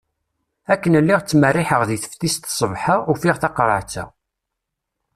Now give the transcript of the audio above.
Akken lliɣ ttmerriḥeɣ deg teftist ṣṣbeḥ-a, ufiɣ taqerεet-a.